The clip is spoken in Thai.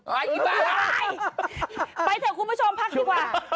อีบ้าไปเถอะคุณผู้ชมพักดีกว่า